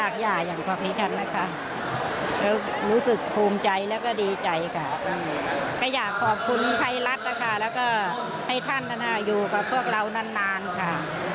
คุณผู้ชมคะ